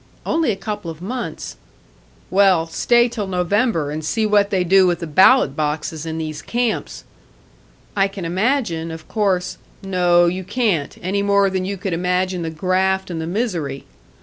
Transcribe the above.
"Only a couple of months." "Well, stay till November, and see what they do with the ballot boxes in these camps!" "I can imagine, of course " "No, you can't. Any more than you could imagine the graft and the misery!"